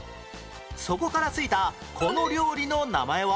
そこから付いたこの料理の名前は？